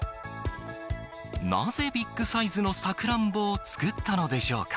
なぜ、ビッグサイズのさくらんぼを作ったのでしょうか。